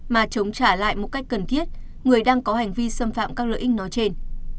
mà chống trả lại một cách cần thiết người đang có hành vi xâm phạm các lợi ích nói trên